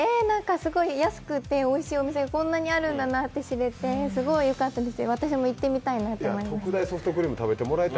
すごい安くておいしいお店こんなにあるんだなって知れてすごいよかったですし、私も行ってみたいなと思いました。